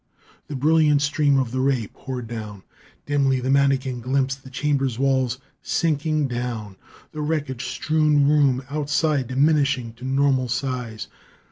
The brilliant stream of the ray poured down. Dimly the manikin glimpsed the chamber's walls sinking down, the wreckage strewn room outside diminishing to normal size.